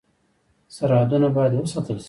سرحدونه باید وساتل شي